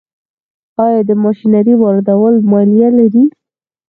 آیا د ماشینرۍ واردول مالیه لري؟